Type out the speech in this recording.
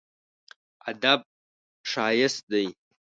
ادب ښايست دی.